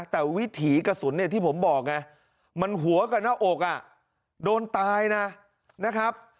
แต่วิถีกระสุนที่ผมบอกมันหัวกับหน้าอกโดนตายนะ